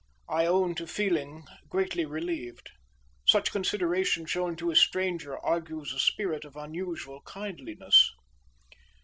I own to feeling greatly relieved. Such consideration shown to a stranger, argues a spirit of unusual kindliness."